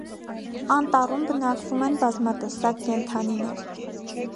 Անտառում բնակվում են բազմատեսակ կենդանիներ։